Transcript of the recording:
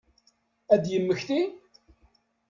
Ad yemmekti?